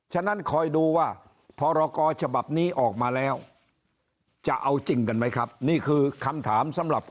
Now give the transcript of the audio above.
ฉะนั้นคอยดูว่าพรกรฉบับนี้ออกมาแล้วจะเอาจริงกันไหมครับ